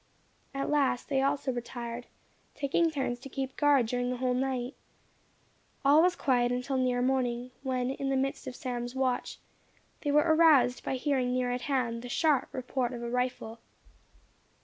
At last they also retired, taking turns to keep guard during the whole night. All was quiet until near morning; when, in the midst of Sam's watch, they were aroused by hearing near at hand the sharp report of a rifle.